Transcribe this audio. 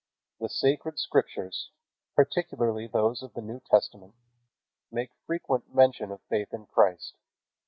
The Sacred Scriptures, particularly those of the New Testament, make frequent mention of faith in Christ.